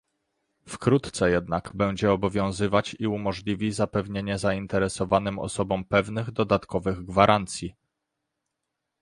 Wkrótce jednak będzie obowiązywać i umożliwi zapewnienie zainteresowanym osobom pewnych dodatkowych gwarancji